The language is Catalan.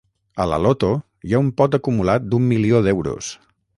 A la loto, hi ha un pot acumulat d'un milió d'euros.